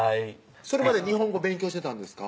それまで日本語勉強してたんですか？